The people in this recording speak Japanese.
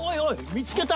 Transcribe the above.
見つけた！